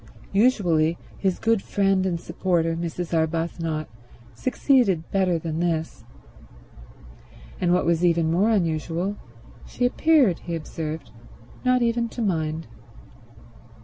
Usually his good friend and supporter Mrs. Arbuthnot succeeded better than this. And, what was even more unusual, she appeared, he observed, not even to mind.